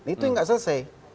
itu nggak selesai